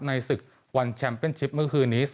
ในศึกวันแชมเป็นชิปเมื่อคืนนี้